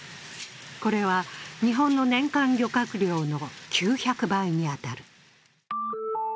これは日本の年間漁獲量の９００倍に当たる。